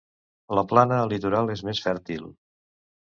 La plana litoral és més fèrtil.